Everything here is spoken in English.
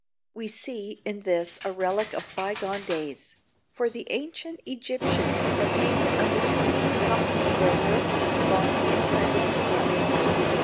We see in this a relic of by gone days, for the ancient Egyptians are painted on the tombs accompanying their work with song and clapping of hands.